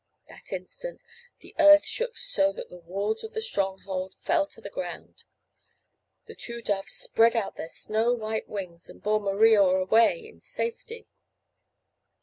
That instant the earth shook so that the walls of the stronghold fell to the ground. The two doves spread out their snow white wings and bore Maria away in safety.